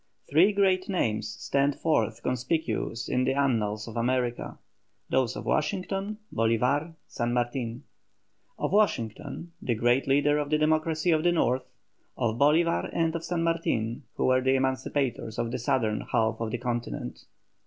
Three great names stand forth conspicuous in the annals of America, those of WASHINGTON, BOLÍVAR, SAN MARTIN. Of Washington, the great leader of the Democracy of the North; of Bolívar and of San Martin, who were the emancipators of the southern half of the continent.